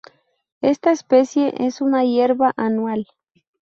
Esta especie es una hierba anual.